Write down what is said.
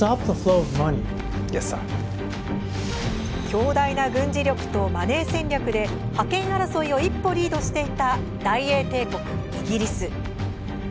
強大な軍事力とマネー戦略で覇権争いを一歩リードしていた大英帝国、イギリス。